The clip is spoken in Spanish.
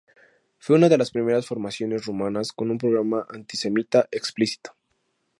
Fue una de las primeras formaciones rumanas con un programa antisemita explícito.